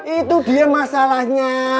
itu dia masalahnya